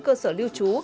bốn cơ sở lưu trú